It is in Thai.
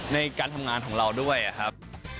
ในการทำงานของเราด้วยครับ